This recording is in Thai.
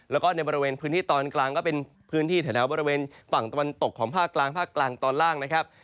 แล้วก็ในบริเวณพื้นที่ตอนกลางก็เป็นพื้นที่แถวบริเวณฝั่งตะวันตกของภาคกลางภาคกลางตอนล่างนะครับ